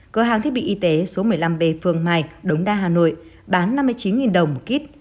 cửa hàng thiết bị y tế số một mươi năm b phường mai đống đa hà nội bán năm mươi chín đồng một lít